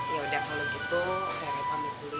yaudah kalo gitu raya pamit dulu ya